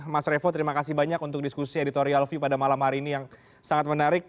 mas revo terima kasih banyak untuk diskusi editorial view pada malam hari ini yang sangat menarik